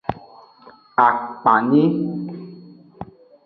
Akpanyi.